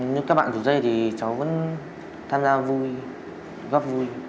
những các bạn rủ dê thì cháu vẫn tham gia vui góp vui